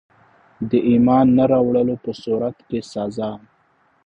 د ایمان نه راوړلو په صورت کي سزا.